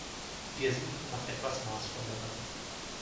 Wir suchen nach etwas Maßvollerem.